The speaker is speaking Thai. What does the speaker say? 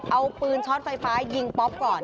เอาปืนช้อนไฟฟ้ายิงป๊อปก่อน